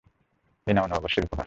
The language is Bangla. এই নাও, নববর্ষের উপহার!